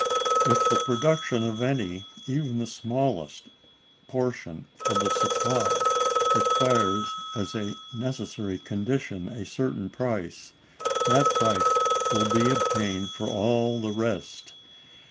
If the production of any, even the smallest, portion of the supply requires as a necessary condition a certain price, that price will be obtained for all the rest.